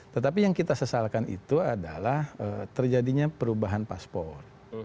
tetapi yang kita sesalkan itu adalah terjadinya perubahan paspor